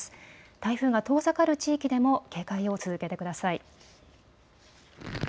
台風が遠ざかる地域でも警戒を続けてください。